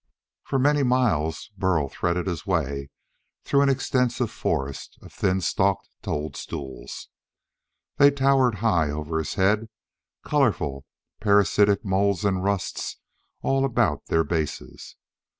For many miles, Burl threaded his way through an extensive forest of thin stalked toadstools. They towered high over his head, colorful, parasitic moulds and rusts all about their bases.